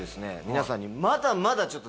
皆さんに。